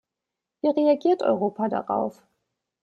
Wie reagiert Europa darauf?